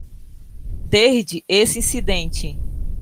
Desde esse incidente